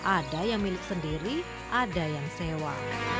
ada yang milik sendiri ada yang sewa